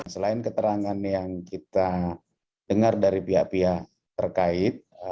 selain keterangan yang kita dengar dari pihak pihak terkait